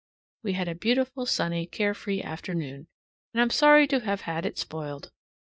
We had a beautiful, sunny, carefree afternoon, and I'm sorry to have had it spoiled.